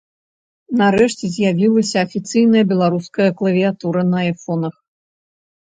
Нарэшце з'явілася афіцыйная беларуская клавіятура на айфонах.